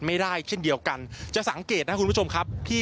ไม่ได้เช่นเดียวกันจะสังเกตนะคุณผู้ชมครับที่